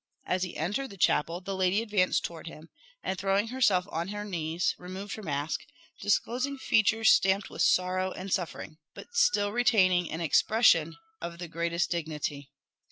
As he entered the chapel, the lady advanced towards him, and throwing herself on her knees, removed her mask disclosing features stamped with sorrow and suffering, but still retaining an expression of the greatest dignity.